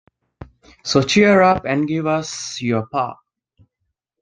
So cheer up, and give us your paw.